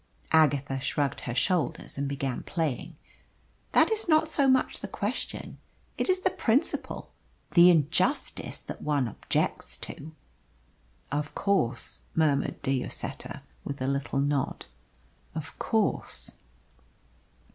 Agatha shrugged her shoulders and began playing. "That is not so much the question. It is the principle the injustice that one objects to." "Of course," murmured De Lloseta, with a little nod. "Of course."